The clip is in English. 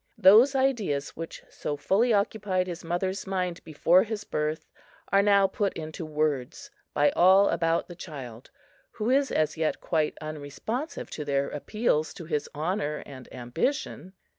Those ideas which so fully occupied his mother's mind before his birth are now put into words by all about the child, who is as yet quite unresponsive to their appeals to his honor and ambition.